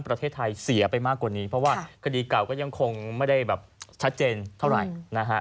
เพราะว่าคดีเก่าก็ยังคงไม่ได้แบบชัดเจนเท่าไหร่นะคะ